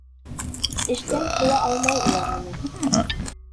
Эштән ҡыуа алмай улар мине!